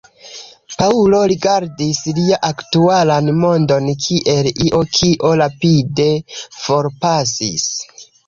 Paŭlo rigardis lia aktualan mondon kiel io, kio rapide forpasis.